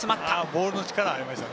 ボールの力がありました。